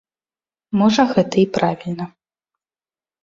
Можа гэта і правільна.